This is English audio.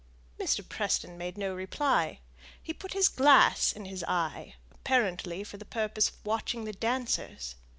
Mr. Preston made no reply. He had put his glass in his eye, apparently for the purpose of watching the dancers.